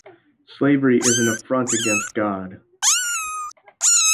Slavery is an affront against God.